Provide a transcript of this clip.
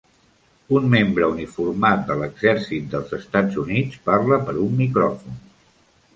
Un membre uniformat de l'exèrcit dels Estats Units parla per un micròfon.